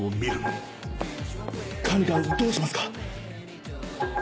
管理官どうしますか？